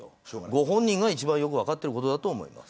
ご本人が一番よく分かってることだと思います。